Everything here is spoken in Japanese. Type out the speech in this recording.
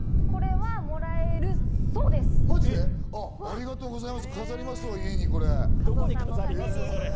これ、もらえるそうです。